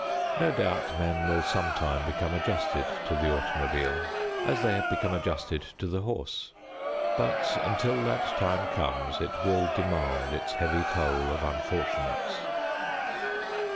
No doubt men will some time become adjusted to the automobile as they have become adjusted to the horse, but until that time comes, it will demand its heavy toll of unfortunates.